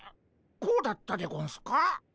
こうだったでゴンスか？